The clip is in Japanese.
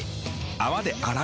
泡で洗う。